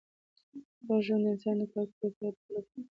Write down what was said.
روغ ژوند د انسان د کار کولو وړتیا او د فعالیت توان لوړوي.